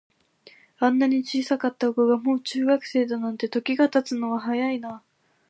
あんなに小さかった子が、もう中学生だなんて、時が経つのは早いなあ。